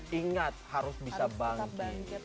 ingat harus bisa bangkit